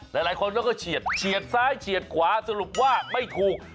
หลายคนเขาก็เฉียดเฉียดซ้ายเฉียดขวาสรุปว่าไม่ถูก